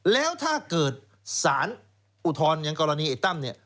แล้วถ้าเกิดสารอุทธรณ์อย่างกรณีไอ้ตั้มเนี่ย